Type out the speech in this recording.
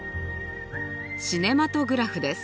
シネマトグラフです。